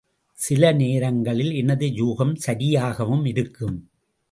சில நேரங்களில் எனது யூகம் சரியாகவும் இருக்கும்.